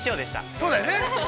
◆そうだよね。